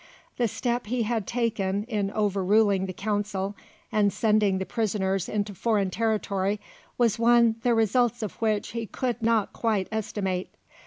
The step he had taken in overruling the Council and sending the prisoners into foreign territory was one the results of which he could not quite estimate.